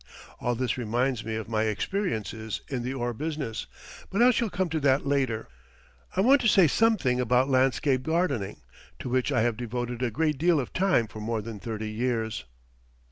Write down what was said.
All this reminds me of my experiences in the ore business, but I shall come to that later. I want to say something about landscape gardening, to which I have devoted a great deal of time for more than thirty years.